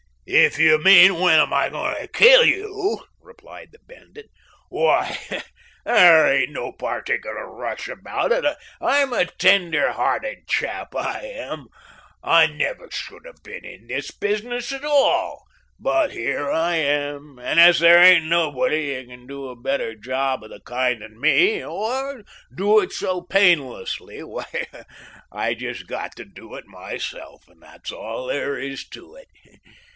"If you mean when am I going to kill you," replied the bandit, "why, there ain't no particular rush about it. I'm a tender hearted chap, I am. I never should have been in this business at all, but here I be, and as there ain't nobody that can do a better job of the kind than me, or do it so painlessly, why I just got to do it myself, and that's all there is to it.